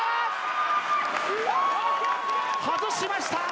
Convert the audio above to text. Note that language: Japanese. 外しました。